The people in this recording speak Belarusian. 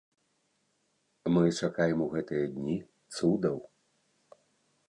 Мы чакаем у гэтыя дні цудаў.